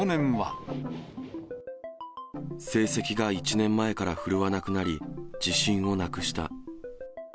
成績が１年前から振るわなくなり、自信をなくした。